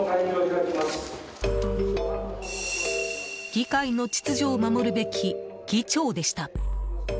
議会の秩序を守るべき議長でした。